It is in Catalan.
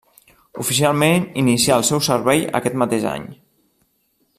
Oficialment inicià el seu servei aquest mateix any.